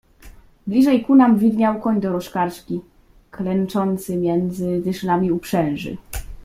"Bliżej ku nam widniał koń dorożkarski, klęczący między dyszlami uprzęży."